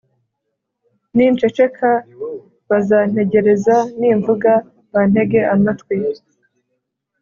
Ninceceka bazantegereza, nimvuga bantege amatwi;